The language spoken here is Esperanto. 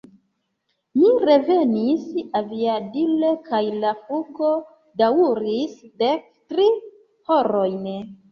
Mi revenis aviadile kaj la flugo daŭris dek tri horojn.